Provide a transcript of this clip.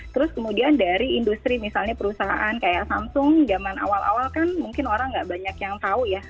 terus kemudian dari industri misalnya perusahaan kayak samsung zaman awal awal kan mungkin orang gak banyak yang tahu ya